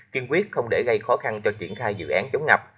kiên quyết không để gây khó khăn cho triển khai dự án chống ngập